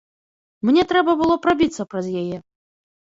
Мне трэба было прабіцца праз яе.